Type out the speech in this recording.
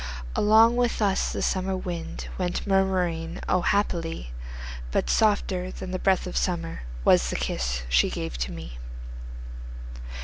Along with us the summer wind Went murmuring O, happily! But softer than the breath of summer Was the kiss she gave to me.